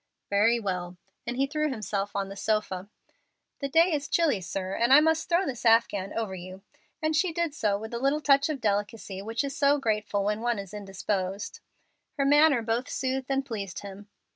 "Very well;" and he threw himself on the sofa. "The day is chilly, sir, and I must throw this afghan over you;" and she did so with a little touch of delicacy which is so grateful when one is indisposed. Her manner both soothed and pleased him.